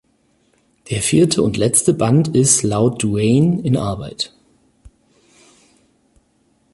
Der vierte und letzte Band ist laut Duane in Arbeit.